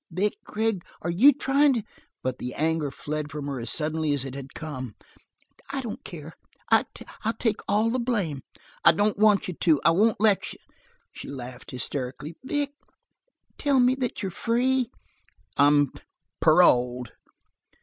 "Vic Gregg, are you trying to " But the anger fled from her as suddenly as it had come. "I don't care. I'll take all the blame." "I don't want you to. I won't let you." She laughed hysterically. "Vic, tell me that you're free?" "I'm paroled."